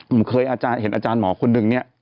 มึงเคยเห็นอาจารย์หมอคนหนึ่งเนี่ย